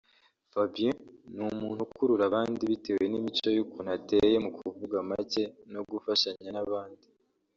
Fabien ni umuntu ukurura abandi bitewe n’imico y’ukuntu ateye mu kuvuga make no gufashanya n’abandi